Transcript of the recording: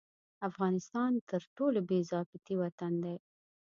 افغانستان تر ټولو بې ضابطې وطن دي.